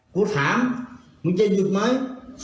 กูถามมึงจะหยุดไหม